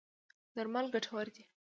درمل ګټور دی.